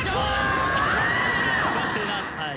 任せなさい。